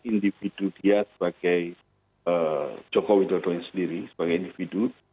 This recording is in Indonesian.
individu dia sebagai jokowi dodo yang sendiri sebagai individu